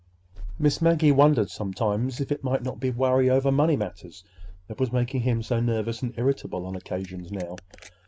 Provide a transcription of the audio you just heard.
Miss Maggie wondered sometimes if it might not be worry over money matters that was making him so nervous and irritable on occasions now.